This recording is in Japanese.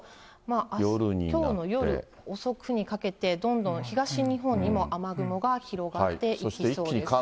きょうの夜遅くにかけて、どんどん東日本にも雨雲が広がっていきそうです。